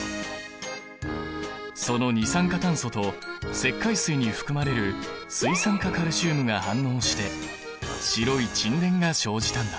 その二酸化炭素と石灰水に含まれる水酸化カルシウムが反応して白い沈殿が生じたんだ。